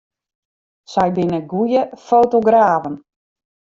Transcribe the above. Sy binne goede fotografen.